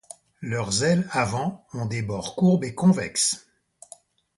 Leurs ailes avant ont des bords courbes et convexes.